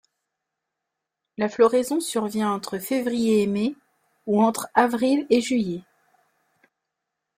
La floraison survient entre février et mai, ou entre avril et juillet.